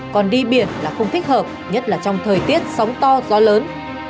còn đi biển là không thích hợp nhất là trong thời tiết sóng to gió lớn